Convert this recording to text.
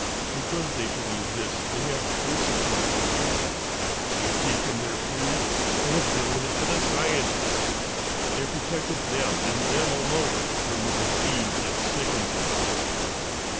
Because they believe this, they have persecuted the people. They have taken their food and have given it to the scientists. They have protected them, and them alone, from the disease that sickens us.